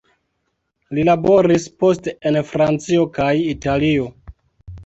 Li laboris poste en Francio kaj Italio.